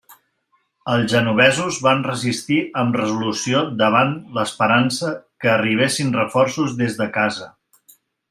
Els genovesos van resistir amb resolució davant de l'esperança que arribessin reforços des de casa.